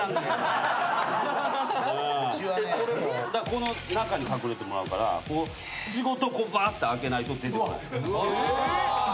この中に隠れてもらうから土ごと開けないと出てこない。